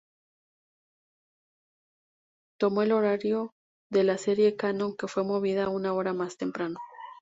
Tomó el horario de la serie "Cannon", que fue movida una hora más temprano.